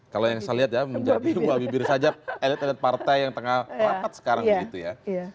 kalau yang saya lihat ya menjadi sebuah bibir saja elit elit partai yang tengah rapat sekarang begitu ya